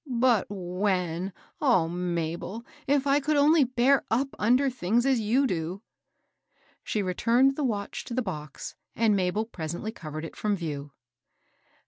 " But when ? O Mabel 1 if I could only bear up under things as you do I" She returned the watch to the box, and Mabel presently covered it from view.